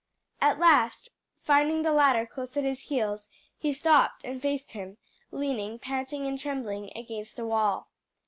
At last, finding the latter close at his heels, he stopped and faced him, leaning, panting and trembling, against a wall.